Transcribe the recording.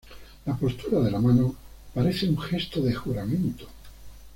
La postura de la mano parece un gesto de juramento.